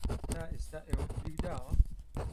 تا ئێستا ئێوەم فریوداوە؟